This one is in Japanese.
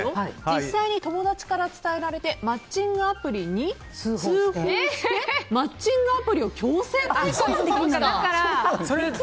実際に友達から伝えられてマッチングアプリに通報してマッチングアプリを強制退会させました！